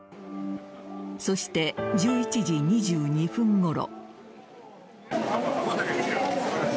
そして、１１時２２分ごろ。